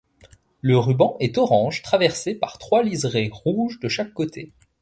Le ruban est orange traversé par trois liserés rouges de chaque côté.